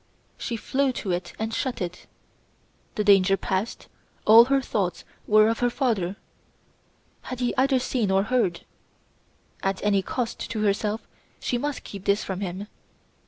She flew to it and shut it. The danger past, all her thoughts were of her father. Had he either seen or heard? At any cost to herself she must keep this from him.